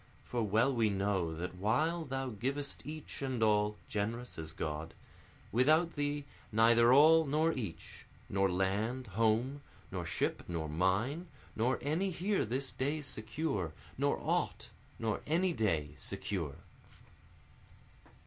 For well we know that while thou givest each and all, (generous as God,) Without thee neither all nor each, nor land, home, Nor ship, nor mine, nor any here this day secure, Nor aught, nor any day secure.